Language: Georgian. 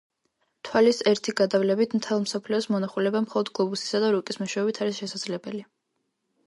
თვალის ერთი გადავლებით მთელი მსოფლიოს ''მონახულება" მხოლოდ გლობუსისა და რუკის მეშვეობით არის შესაძლებელი.